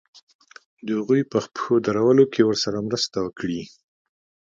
د هغوی په خپلو پښو درولو کې ورسره مرسته وکړي.